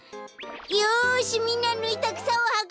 よしみんなぬいたくさをはこぶよ！